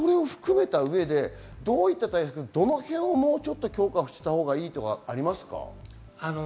どういった対策、どのへんをもうちょっと強化したほうがいいとかありますか？